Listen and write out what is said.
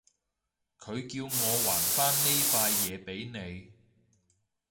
佢叫我還返呢塊嘢畀你